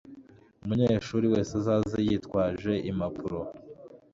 umunyeshuri wese azaze yitwaje impapuro